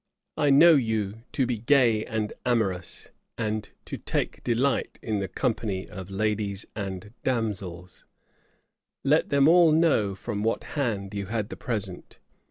I know you to be gay and amorous; and to take delight in the company of ladies and damsels: let them all know from what hand you had the present.